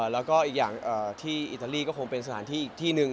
แล้วก็อีกอย่างที่อิตาลีก็คงเป็นสถานที่อีกที่หนึ่ง